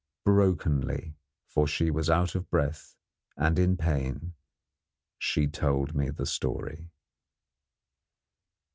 Brokenly for she was out of breath, and in pain she told me the story.